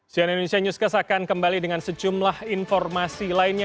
cnn indonesia newscast akan kembali dengan sejumlah informasi lainnya